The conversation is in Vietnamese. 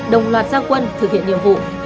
đồng loạt gia quân thực hiện nhiệm vụ